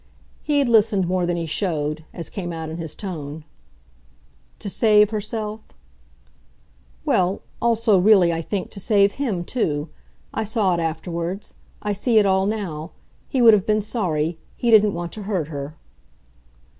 He had listened more than he showed as came out in his tone. "To save herself?" "Well, also, really, I think, to save HIM too. I saw it afterwards I see it all now. He would have been sorry he didn't want to hurt her."